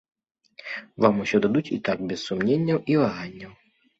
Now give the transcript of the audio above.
Вам усё дадуць і так без сумненняў і ваганняў.